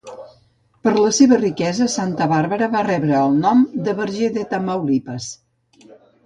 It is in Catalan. Per la seva riquesa, Santa Bàrbara va rebre el nom de Verger de Tamaulipas.